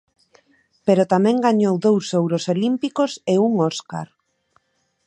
Pero tamén gañou dous ouros olímpicos e un Óscar.